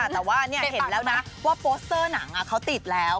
แต่ว่าเห็นแล้วนะว่าโปสเตอร์หนังเขาติดแล้ว